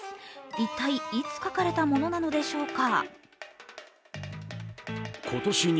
一体いつ描かれたものなのでしょうか。